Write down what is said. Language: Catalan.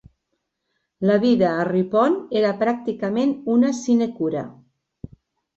La vida a Ripon era pràcticament una sinecura.